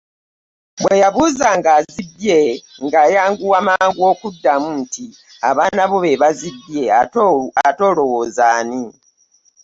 Bwe yabuuzanga azibbye ng’ayanguwa mangu okuddamu nti, “abaana bo be bazibba ate olowooza ani?"